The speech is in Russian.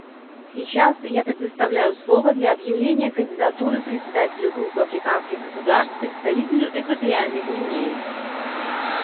Сейчас я предоставляю слово для объявления кандидатуры Председателю Группы африканских государств представителю Экваториальной Гвинеи.